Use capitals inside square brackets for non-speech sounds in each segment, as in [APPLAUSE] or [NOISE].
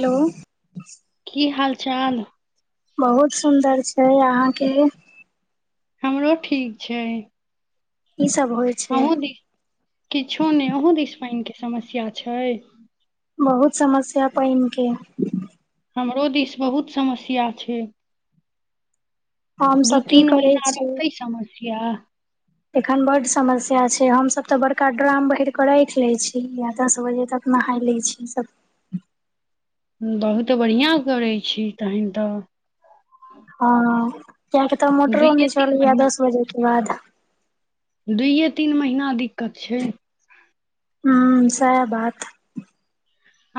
hello की हाल चाल बहुत सुन्दर छै अहांके हमरो ठीक छै ई सब हो अहूँ दिस किछो नहि अहूँ दिस पानिके समस्या छै बहुत समस्या पानी के हमरो दिस बहुत समस्या छै हम दू सब की तीन करै महीना छी रहतै समस्या एखन बड समस्या छै हम सब ते बड़का ड्राम भहिर के राख ले छी या दस बजे तक नहाय लै छी सब बहुत बढ़िआँ करै छी तहन तऽ हँ किया कि तऽ मोटरो दुइए नहि तीन चलैया महीना दस बजे के बाद दुइयए तीन महिना दिक्कत छै हूँ साय बात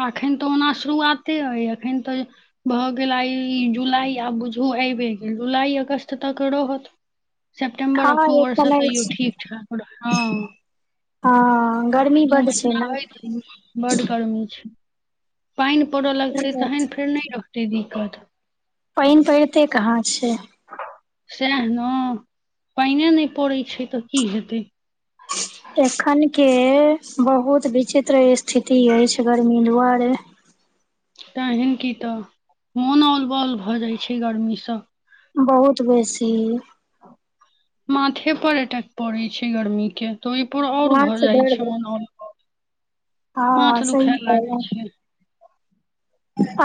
एखन तऽ ओना शुरुआते अइ एखन तऽ भऽ गेल आइ जुलाई आब बुझू आइबे गेल जुलाई अगस्त तक रहोत सेप्टेम्बर हँ अक्टूबर से एखन तैयो अछि ठीक ठाक रह हँ आं एक दू महीना हय त बड गर्मी छै पानि पड़य लगतै तहन फेर नहि रहतै दिक्कत पानि पड़िते कहाँ छै सएह ने पानिए नहि पड़ैत छै तऽ की हेतै एखन के बहुत विचित्र स्थिति अछि गर्मी दुआरे तहन की तऽ मोन औल बौल भऽ जाइत छै गर्मी सँ बहुत बेसी माथे पर अटेक पड़े छै गर्मी के तऽ ओहि पर और हाथ भऽ से जाय डर छै गेल मनोल हँ माथ सही दुखए लागे कहलौं छै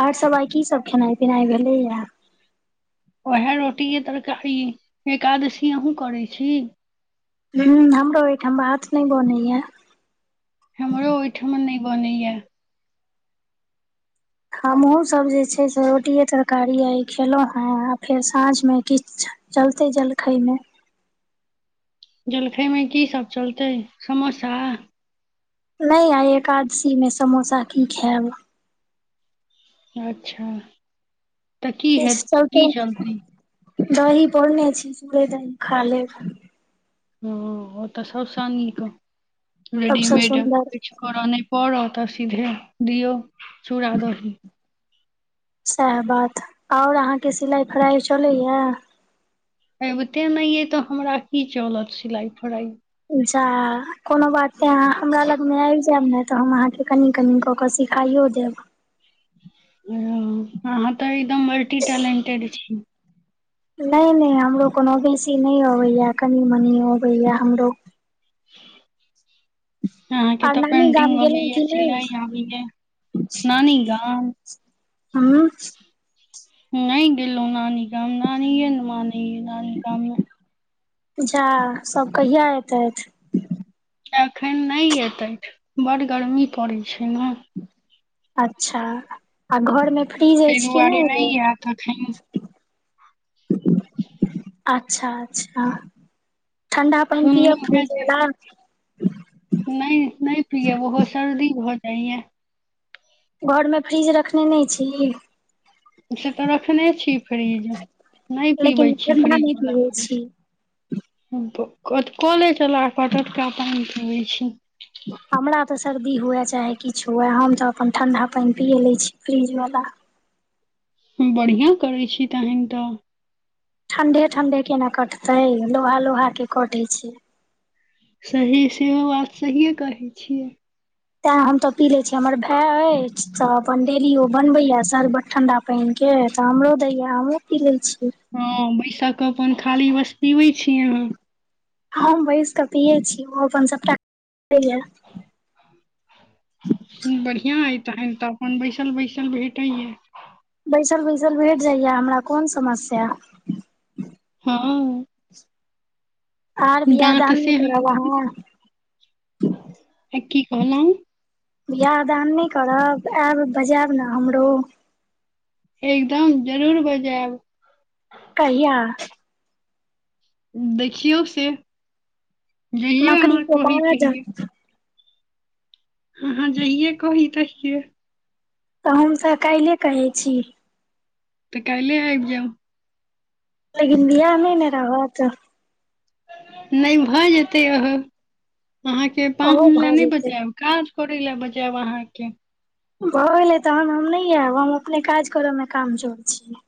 आर सब आई की सब खेनाइ पिनाइ भेलैए उएह रोटी के तरकारी एकादशी अहू करै छी हूं हमरो ओहिठाम भात नहि बनैयै हमरो ओहिठमन नहि बनैया हमहुँसभ जे छै से रोटिए तरकारी आ ई खेलहुँ हेँ आ फेर साँझमे किछ चलते जलखेय मे जलखै मे की सब चलतै समोसा नहि आई एकादशी मे समोसा की खाएब अच्छा तऽ की ह किछ की चलतै चलती दही पौरने छी चूड़े दही खा लेब ओ तऽ सबसँ नीक सबसँ रेडीमेड सुन्दर कि करऽ नहि पड़त तऽ सीधे दियौ चूड़ा दही सएह बात ओर अहाँके सिलाइ फराइ चलैए अबिते नहि अे तऽ हमरा की चलत सिलाई फरााई जा कोनो बात नहि आहा हमरा लग मे आबी जायब नै तऽ हम अहाँके कनि कनि कऽ कऽ सिखाईयो देब अहाँ तऽ एकदम मल्टी टैलेंटेड छी नहि नहि हमरो कोनो बेसी नहि अबैया कनी मनी अबैया हमरो [INAUDIBLE] अहांके आर तऽ नानी गाम पेंटिंग गेलहुँ अबैय कि नहि सिलाई आबैय नानी गाम हँ नहि गेलहु नानी गाम नानीे ने मानिय नानी गाममे जा सब कहिया एतैथ एखन नहि एतै बड गर्मी पड़ैत छै ना अच्छा आ घरमे फ्रिज ताहि अछि की दुआरे नहि ओ आयत एखन अच्छा अच्छा ठण्डा पान पिअ सुनलहुँ हेँ फ्रीज जे वला नहि नहि पियब ओहो सर्दी भ जाइए या घर मे फ्रिज रखने नहि छी से तऽ रखने छी फ्रिज नहि पीबै लेकिन छी ठण्डा नहि फ्रिजवला पिबै छी पाइन कले चला क टटका [UNINTELLIGIBLE] का पाइन पीबै छी हमरा तऽ सर्दी हुए चाहे किछु हुए हम तऽ अपन ठण्डा पैन पियए लै छी फ्रिजवला हम बढ़िआँ करै छी तहन तऽ ठंडे ठंडे केना कटते लोहा लोहा के कटे छै सही सेहो बात सहिए कहै छियै तें हम तऽ पी ले छी हमर भाय अछि तऽ अपन डेली ओ बनबेया शरबत ठंडा पानिके तऽ आमरो दैया हमु पीयै छी हँ बैसा क अपन खाली बस पीबे छियै अहाँ हम बैंस कऽ पियए छी ओ अपन सभटा बढ़िया यै तहन त अपन बैसल बैसल भेटैया बैसल बैसल भेट जाइया हमरा कोन समस्या हँ आर बियाह दाँत दान नहि से करब अहाँ की कहलहुँ बियाह दान नहि करब आयब बजायब ने हमरो एकदम जरूर बजायब कहिया देखियौ फेर जइये नौकरी अहाँ के कहि बाद तहिये अहाँ जहिये कही तहिये तऽ हुन्सा काल्हिए कहै छी तऽ काल्हे आबि जाउ तै दीन बिआ नै ने रहत नहि भऽ जेतै ओहो अहाँके ओहो पाँहून भऽ लै नै जेतै बचायब काज करय लै बजैब आहा के भऽ गेलै तऽ हम नै आयब हम अपने काज करऽ मे कामजोर छि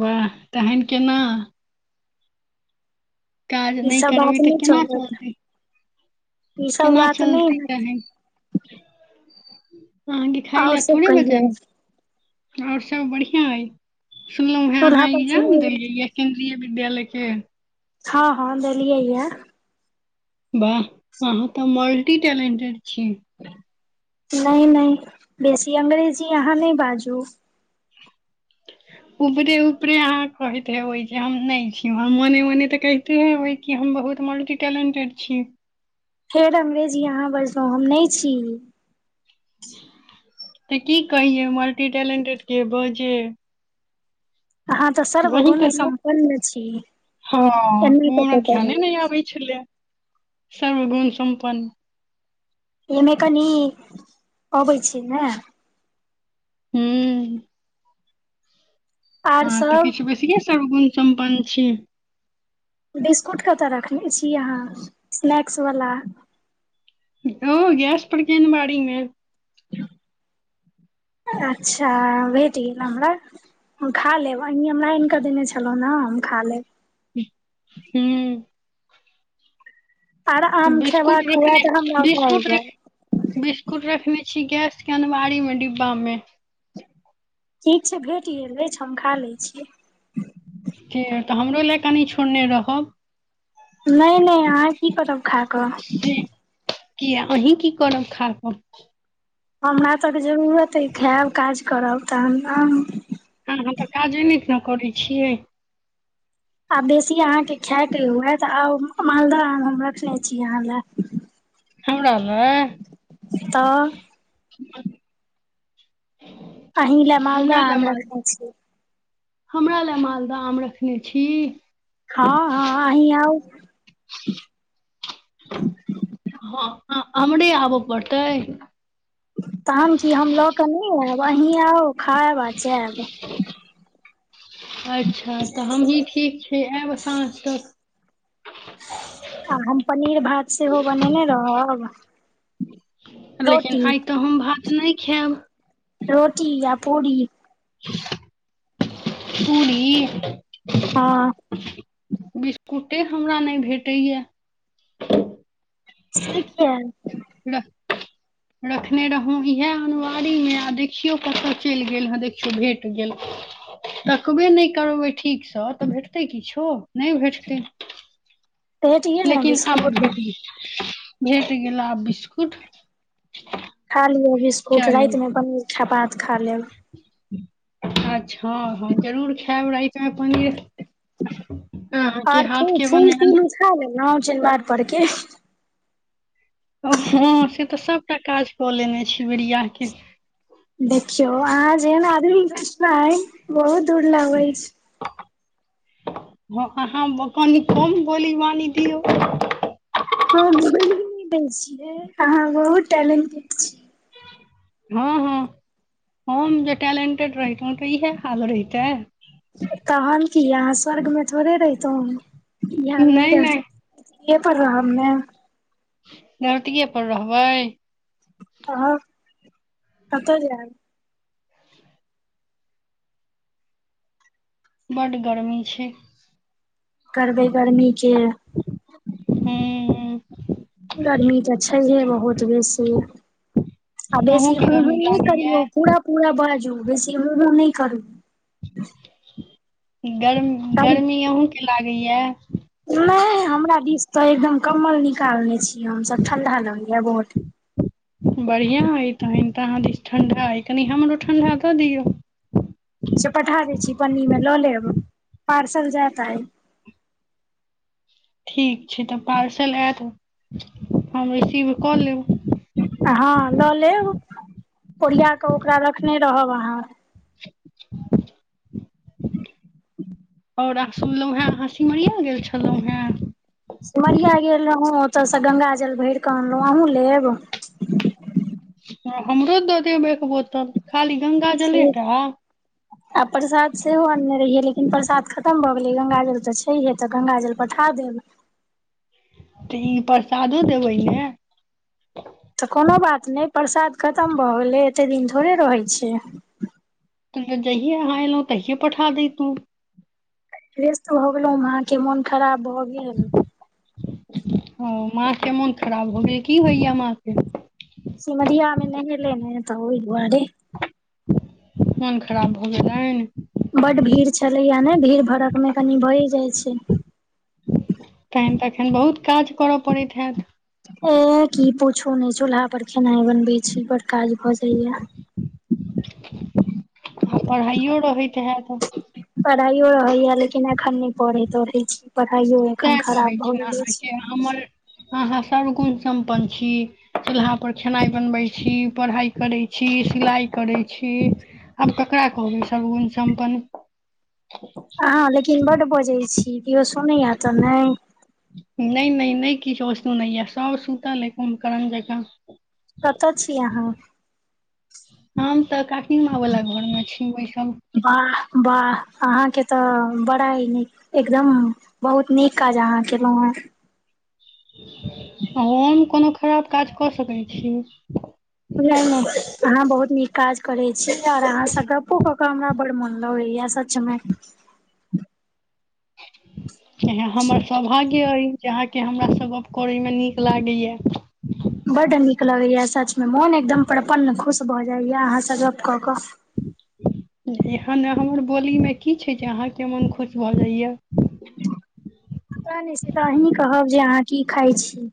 वाह तहन केना काज ई नै सब करबै बात तऽ नहि केना चलत चलतै ई सब केना बात नहि चलतै हैत कहै अहाँ के खाय आओर लय सब थोड़े कहियौ बजयब और सब बढ़िया हय सुनलहुं हें चूल्हा अहाँ पर सुन इगजाम देलियै य केन्द्रीय विद्यालयके हँ हँ देलियै या वाह अहाँ तऽ मल्टी टैलेंटेड छि नहि नहि बेसी अंग्रेजी अहाँ नहि बाजू ऊपरे ऊपरे अहाँ कहैत हेबै जे हम नहि छी मने मने ते कह तेे हेबै की हम बहुत मल्टी टैलेंटेड छी फेर अंगरेजी आहाँ बजलहुं हम नै छी तऽ की कहिये मल्टी टैलेंटेड के बजे अहाॅं तऽ सर्व वही गुण कहियौ सम्पन्न छी हँ ओ एना कऽ हमरा के कहू ध्यान नहि आबै छलै सर्वगुण सम्पन्न एहने कनी अबै छी ने हूँ आर हँ तऽ सब किछु बेसिये सर्वगुण सम्पन्न छी बिस्कुट कतय रखने छी अहाँ स्नैक्स वला ओ गैस परड़केन अनबाड़ि मे [UNINTELLIGIBLE] [INAUDIBLE] अच्छा भेट गेल हमरा हम खा लेब अही हमरा आनि कऽ देने छलहुँं ने हम खा लेब हूँ आर आम बिस्कुट खेबाक हुए रखले तऽ हमरा ओतऽ आबि बिस्कुट जायब रख बिस्कुट रखने छी गैस के अनमारी मे डिब्बामे ठीक छै भेट गेल अछि हम खा लै छी तऽ हमरो लै कनि छोड़ने रहब नै नै अहाँ की करब खा कऽ से किया अहीं की करब खाक हमरा तक जरूरत अइ खयब काज करब तहन आब हँ हँम् तऽ काजे नै न करै छियै आ बेसी अहाँके खायके हुए तऽ आउ मालदह आम हम रखने छी अहाँ ले हमरा मे तऽ अहीं लए मालदह हमरा लए आम माल रखने छी हमरा लए मालदह आम रखने छी हँ हँ ही आउ हँ हमरे आबऽ पड़तै तहन कि हम लऽ कऽ नै आयब आहीं आउ खैब आ जैब अच्छा तऽ हमही ठीक छी आयब साँझ तक आ हम पनीर भात सेहो बनेने रहब लेकिन रोटी आइ तऽ हम भात नै खायब रोटी या पूरी [INAUDIBLE] [UNINTELLIGIBLE] पूरी हँ ते हमरा नहि भेटैय से किया ल रखने रहु इहै अनवारीमे आ देखियौ कतय चलि गेल हे देखियौ भेट गेल तकबे नहि करबै ठीकसँ तऽ भेटतै किछो नहि भेटतै भेट गेल ने लेकिन आब बिस्कुट भेट भेट गेला आब बिस्कुट खा लिय बिस्कुट चलू राति मे पनीर पात खा लेब अच्छा हँ हँ जरूर खायब र ते पनीर अहाँके हाथ के बनायल खा लेलौ चन बार पड़के हँ से तऽ सभटा काज कऽ लेने छी बारिक के देखियौ अहाँ जेहन आधुनिक कचना हय बहुत दूर लगै अछि अहाँ कनि कम बोली बानी दियौ ह जलगी द छियै अहाँ बहुत टैलेंटेड छी हँ हँ हम जे टैलेंटेड रहितौ ह तऽ इएह हाल रहहिता है तहन कि अहाँ स्वर्ग में थोड़े रहितो हाल नहि रह सक इसलए पढ़ रहा हम ने [UNINTELLIGIBLE] धौतिये पर रहबै ह कतऽ जैब बड गर्मी छै करबै गर्मी के हूँ गर्मी तऽ छैहे बहुत बेसी आ बेसी अहूँके ह ह गर्मी न लागैया करीयौ पूरा पूरा बाजू बेसी ह ह न करू गरम करू गर्मी आहूँ के लागैया नहि हमरा दिस तऽ एकदम कम्बल निकालने छी हमसभ ठंडा लगलैया बहुत बढ़िया ह तहन तऽ आहाँ दिस ठंडा हइ कनि हमरो ठंडा दऽ दियौ छ पठा दै छी पन्नी मे लऽ लेब पार्सल जायत आइ ठीक छै तऽ पार्सल आयत हम रिसीव कऽ लेब हँ लऽ लेब ओरिया कऽ ओकरा रखने रहब अहाँके [UNINTELLIGIBLE] औरह सुनलहु हें आहा सिमरिया गेल छलहुं सिमरिया गेल रहौ ओतयसँ गांगा जल भरिकऽ अनलहुँ अहूँ लेब ह हमरो दऽ देब एक बोतल खाली गंगाजले टा आब प्रसाद सेहो अनने रहियै लेकिन प्रसाद खत्म भ गेलै गंगाजल त छैहे त गंगाजल पठा देब तऽ ई परसादो देबै ने त कोनो बात नहि प्रसाद खतम भ गेलै एते दिन थोड़े रहै छै त जहिये अहाँ एलहुँ तहिये पठा देैतू रेस्त भ गेलहु अहाँके मोन खराब भ गेल ह माँ के मोन खराब भगेल की होइया माँ के सिमरिया में नहेलै ने तऽ ओहि दुआरे मोन खराब भऽ गेलैनि बड भीड़ छलैया ने भीड़ भड़क मे कनि भय जाइ छै तहन तऽ एखन बहुत काज करय पड़ैत हैत ऊ की पूछू ने चूल्हा पर खेनाइ बनबे छी बड़ काज भ जाइया आ पढ़ाइो रहैत है तऽ पढ़ाइयो रहैया लेकिन एखन नहि पढ़ैत रहै छी पढ़ाइयो एखन तें कहै खराब भए छी ने गेले अछि अहाँके हमर अहाँ सर्वगुण सम्पन्न छी चूल्हापर खेनाइ बनबै छी पढ़ाइ करैत छी सिलाइ करैत छी आब ककरा कहबै सर्वगून सम्पन्न अहाँ लेकिन बड बजै छी केओ सुनैया तऽ नहि नहि नहि नइ किछु सुनैय य सब सुतल य कुम्भ करण जेका कतऽ छी अहाँ हम तऽ काकी माँ वाला घरमे छी बैसब वाह वाह अहाँके तऽ बड़ा नीक एकदम बहुत नीक काज अहाँ केलहु ह हम कोनो खराब काज कऽ सकै छी बझ नहि अहाँ बहुत नीक काज करै छी तेय दुआरे अहाँसँ गप्पो कऽ के हमरा बड्ड मोन लगैय य सब सच मे [INAUDIBLE] हमर सौभाग्य अइ जे अहाँके हमरा सँ गप करयमे नीक लागैए य बड्ड नीक लगैया सचमे मोन एकदम प्रपन्न खुश भऽ जाइया अहाँसँ गप कऽ कऽ एहन ने हमर बोलीमे की छै जे अहाँके मोन खुश भऽ जाइ य पता नहि से तऽ आही कहब जे अहाँ की खाइ छी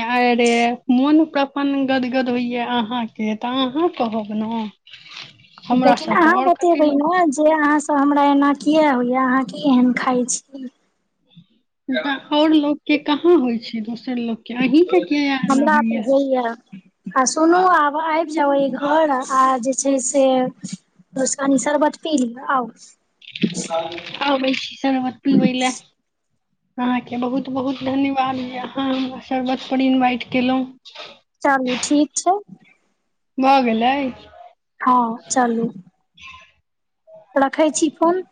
आरे मोन प्राप्त अपन गदगद होइया अहाँके तऽ अहाँ कहब न लेकिन अहाँ बतेबै न जे अहाँ तऽ हमरा एना किए होइए अहाँ कि एहन खाइ छी तऽ आओर लोकके कहाँ होइ छै दोसर लोकके अहीँके किया एना होइ यऽ किया आ सुनू आब आबि जाउ ई घर आ जे छै से दोसकनि शरबत पी लिअ आउ आबै छी सरबत पीबै लए अहाँके बहुत बहुत धन्यवाद य अहाँ हम शर्बतपर इन्वाइट कयेलहुँ चलू ठीक छै भऽ गेलै हँ चलू रखै छी फोन